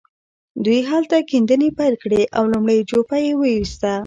دوی هلته کيندنې پيل کړې او لومړۍ جوپه يې وويسته.